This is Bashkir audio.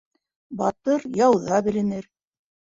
Батыр яуҙа беленер